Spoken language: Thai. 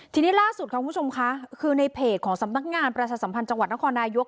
ทีนี้ล่าสุดค่ะคุณผู้ชมค่ะคือในเพจของสำนักงานประชาสัมพันธ์จังหวัดนครนายก